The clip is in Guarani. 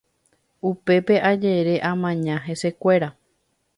Upépe ajere amaña hesekuéra.